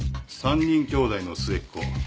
３人きょうだいの末っ子。